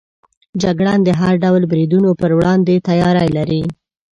جګړن د هر ډول بریدونو پر وړاندې تیاری لري.